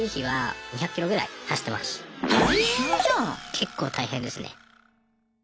結構大変ですね。